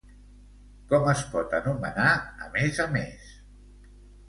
Com es pot anomenar a més a més?